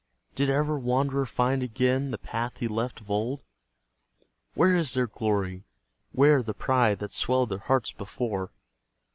Did ever wanderer find again The path he left of old? Where is their glory, where the pride That swelled their hearts before?